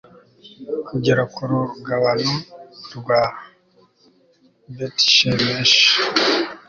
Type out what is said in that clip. kugera ku rugabano rwa betishemeshi